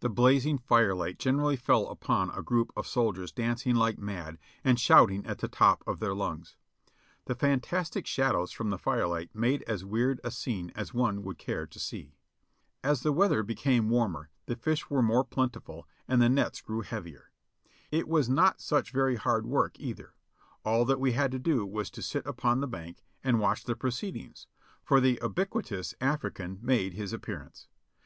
The blazing firelight generally fell upon a group of soldiers dancing like mad and shouting at the top of their lungs. The fantastic shadows from the firelight made as weird a scene as one would care to see. As the weather became warmer, the fish were more plentiful 526 JOHNNY REB AND BILIvY YANK and the nets grew heavier. It was not such very hard work either; all that we had to do was to sit upon the bank and watch the proceedings, for the ubiquitous African made his appear ance.